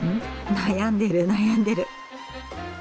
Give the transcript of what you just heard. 悩んでる悩んでる。